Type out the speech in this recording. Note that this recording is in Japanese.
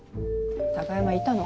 貴山いたの？